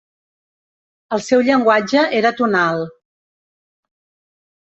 El seu llenguatge era tonal.